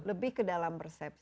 lebih ke dalam persepsi